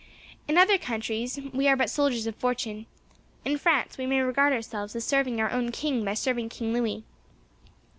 In other countries we are but soldiers of fortune. In France we may regard ourselves as serving our own king by serving King Louis."